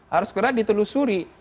harus segera ditelusuri